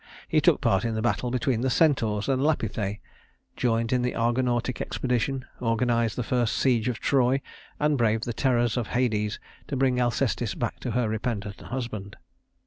He took part in the battle between the Centaurs and Lapithæ; joined in the Argonautic expedition; organized the first siege of Troy, and braved the terrors of Hades to bring Alcestis back to her repentant husband.